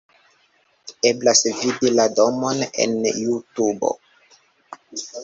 Eblas vidi la domon en Jutubo.